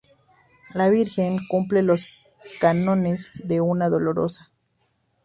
La Virgen cumple los cánones de una Dolorosa.